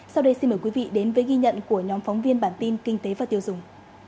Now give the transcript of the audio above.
sau đây xin mời quý vị đến với ghi nhận của nhóm phóng viên bản tin kinh tế và tiêu dùng